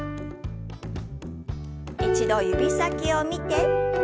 一度指先を見て。